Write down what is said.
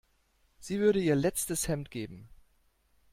Sie würde ihr letztes Hemd geben.